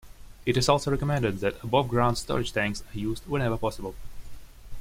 It is also recommended that above-ground storage tanks are used whenever possible.